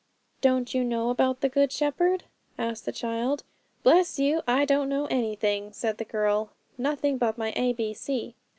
'Don't you know about the Good Shepherd?' asked the child. 'Bless you! I don't know anything,' said the girl; 'nothing but my A B C.'